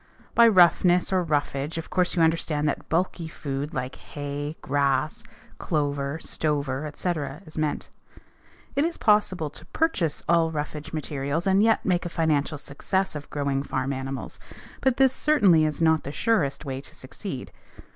By roughness, or roughage, of course you understand that bulky food, like hay, grass, clover, stover, etc., is meant. It is possible to purchase all roughage materials and yet make a financial success of growing farm animals, but this certainly is not the surest way to succeed.